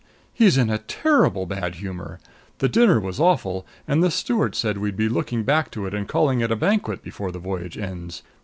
He's in a terribly bad humor. The dinner was awful, and the steward said we'd be looking back to it and calling it a banquet before the voyage ends.